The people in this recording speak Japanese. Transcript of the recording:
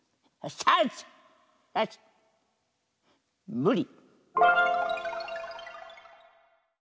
むり。